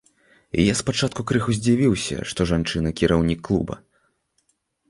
Я спачатку крыху здзівіўся, што жанчына кіраўнік клуба.